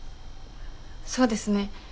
そうですね。